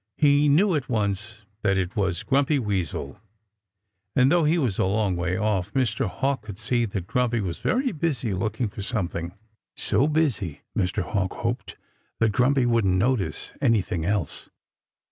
He knew at once that it was Grumpy Weasel; and though he was a long way off Mr. Hawk could see that Grumpy was very busy looking for something so busy, Mr. Hawk hoped, that Grumpy wouldn't notice anything else.